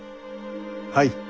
はい。